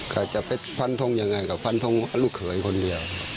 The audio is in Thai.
เขาจะไปพันธงอย่างไรก็พันธงลูกเผยคนเดียว